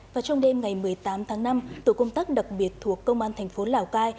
và trong đêm ngày một mươi tám tháng năm tổ công tác đặc biệt thuộc công an tp hcm